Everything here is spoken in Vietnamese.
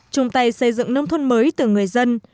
chung tay xây dựng nông thôn mới từ người dân